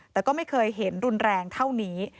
แต่ก็ไม่เคยเห็นรุนแรงเท่านี้